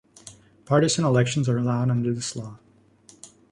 Partisan elections are allowed under this law.